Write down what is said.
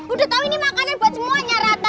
udah tahu ini makanan buat semuanya rata